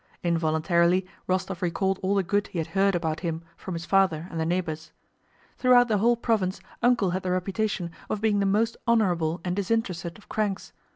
Involuntarily Rostóv recalled all the good he had heard about him from his father and the neighbors. Throughout the whole province "Uncle" had the reputation of being the most honorable and disinterested of cranks.